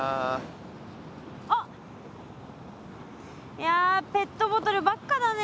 いやペットボトルばっかだね。